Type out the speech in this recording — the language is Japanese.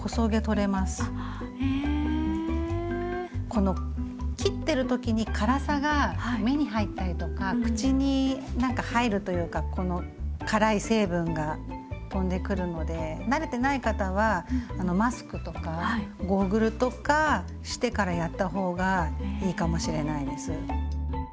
この切ってる時に辛さが目に入ったりとか口に何か入るというかこの辛い成分が飛んでくるので慣れてない方はマスクとかゴーグルとかしてからやった方がいいかもしれないです。